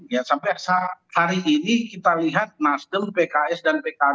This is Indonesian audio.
ya sampai hari ini kita lihat nasdem pks dan pkb masih setia terhadap perubahan